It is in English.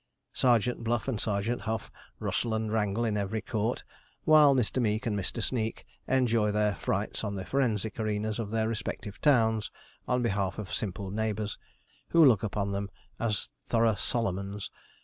Sergeant Bluff and Sergeant Huff rustle and wrangle in every court, while Mr. Meeke and Mr. Sneeke enjoy their frights on the forensic arenas of their respective towns, on behalf of simple neighbours, who look upon them as thorough Solomons.